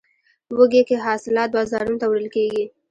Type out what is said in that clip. وږی کې حاصلات بازارونو ته وړل کیږي.